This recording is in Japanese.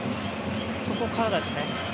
そこからですね。